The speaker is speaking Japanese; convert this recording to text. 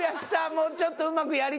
もうちょっとうまくやりたい。